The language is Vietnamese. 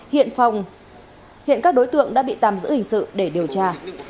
hiện phòng hiện các đối tượng đã bị tạm giữ hình sự để điều tra